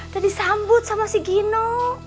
dan disambut sama si gino